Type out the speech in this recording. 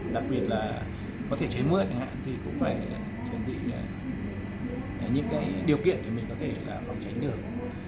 đặc biệt là có thể chế mốt chẳng hạn thì cũng phải chuẩn bị những điều kiện để mình có thể là phòng tránh được